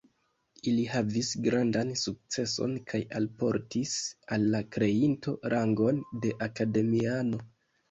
Ili havis grandan sukceson kaj alportis al la kreinto rangon de akademiano.